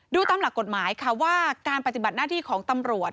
ตามหลักกฎหมายค่ะว่าการปฏิบัติหน้าที่ของตำรวจ